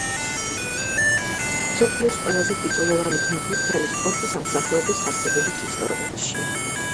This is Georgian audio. მსოფლიოს ყველაზე ტიტულოვანი ფეხბურთელი სპორტის ამ სახეობის არსებობის ისტორიაში.